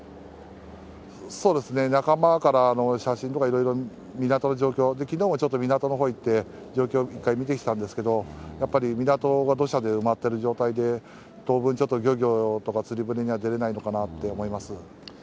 そうですね、仲間からの写真とかいろいろ港の状況を、きのうもちょっと、港のほう行って状況一回、見てきたんですけど、やっぱり港が土砂で埋まってる状態で、当分ちょっと漁業とか釣り船は出られないのかなって思います。